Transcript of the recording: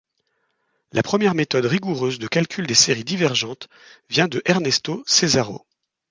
La première méthode rigoureuse de calcul des séries divergentes vient de Ernesto Cesàro.